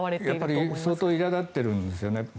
やっぱり相当いら立っているんですね。